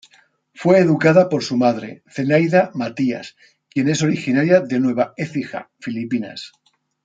Fue educada por su madre, Zenaida Matías, quien es originaria de Nueva Écija, Filipinas.